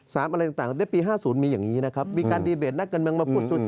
อะไรต่างในปี๕๐มีอย่างนี้นะครับมีการดีเบตนักการเมืองมาพูด